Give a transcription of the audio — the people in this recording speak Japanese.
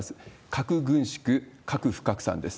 核軍縮、核不拡散です。